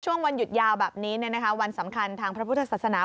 วันหยุดยาวแบบนี้วันสำคัญทางพระพุทธศาสนา